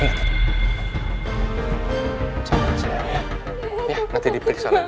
jangan lupa ya nanti diperiksa lagi